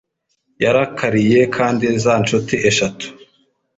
yarakariye kandi za ncuti eshatu